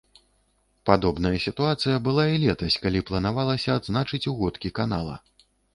Падобная сітуацыя была і летась, калі планавалася адзначыць угодкі канала.